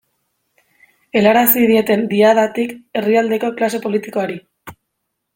Helarazi dieten Diadatik herrialdeko klase politikoari.